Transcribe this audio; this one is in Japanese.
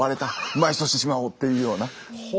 埋葬してしまおうっていうような。